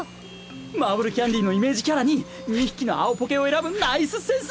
マーブル・キャンディのイメージキャラに２匹の青ポケを選ぶナイスセンス！